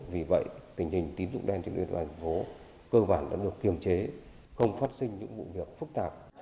vì vậy tình hình tín dụng đen trên địa bàn thành phố cơ bản đã được kiềm chế không phát sinh những vụ việc phức tạp